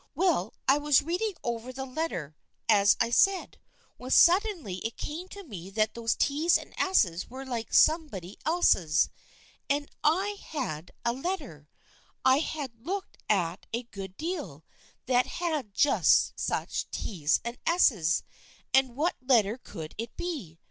Well, I was read ing over the letter, as I said, when suddenly it came to me that those T's and S's were like some body else's, and I had a letter I had looked at a good deal that had just such T's and S's, and what letter could it be